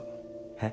え？